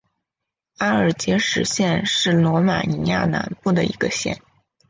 阿尔杰什县是罗马尼亚南部的一个县。